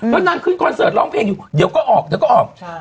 หนังขึ้นเคริดร้องเพลงอยู่เดี๋ยวก็ออกนั่นก็ออก